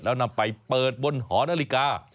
แล้วนำไปเปิดบนหอนาฬิกา